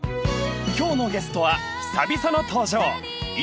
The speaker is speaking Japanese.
［今日のゲストは久々の登場］